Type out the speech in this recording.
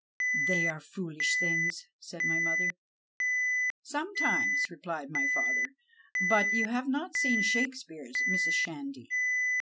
" They are foolish things," said my mother. " Sometimes," replied my father, " but you have not seen Shakespeare's, Mrs. Shandy.